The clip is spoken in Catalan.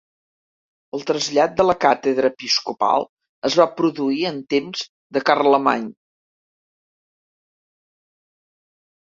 El trasllat de la càtedra episcopal es va produir en temps de Carlemany.